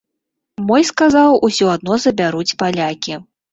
Мой сказаў, усё адно забяруць палякі.